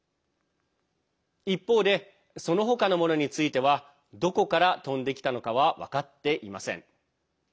一方で、その他のものについてはどこから飛んできたのかは分かっていません。